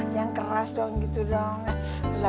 yang keras dong gitu dong